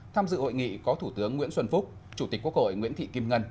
tham dự hội nghị có thủ tướng nguyễn xuân phúc chủ tịch quốc hội nguyễn thị kim ngân